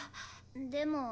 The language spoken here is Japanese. でも。